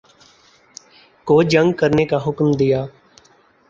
کو جنگ کرنے کا حکم دیا